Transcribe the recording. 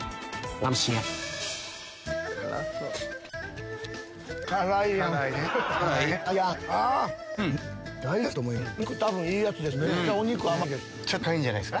お肉多分いいやつです